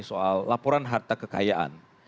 soal laporan harta kekayaan